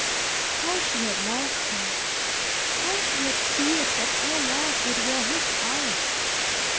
How she had loved him! How she had feared that her love would wear his out!